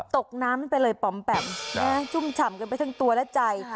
ตกน้ำไปเลยปอมแปมชุ่มฉ่ำกันไปทั้งตัวและใจ